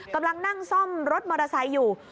กำลังนั่งซ่อมรถมอเตอร์ไซค์อยู่